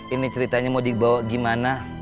ini ceritanya mau dibawa gimana